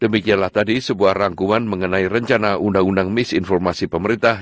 demikianlah tadi sebuah rangkuman mengenai rencana undang undang misinformasi pemerintah